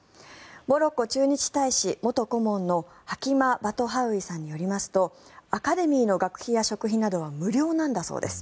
モロッコ駐日大使元顧問のハキマ・バトハウイさんによりますとアカデミーの学費や食費などは無料なんだそうです。